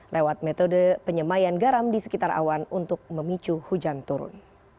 lewat metode penyemayan garam di sekitar awan untuk memicu hujan turun